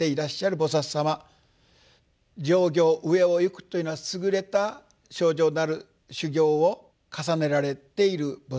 「上行」上を行くというのは優れた清浄なる修行を重ねられている菩薩様。